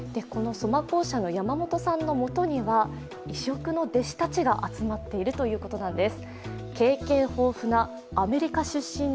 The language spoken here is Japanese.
杣耕社の山本さんの元には異色の弟子たちが集まっているということなんです。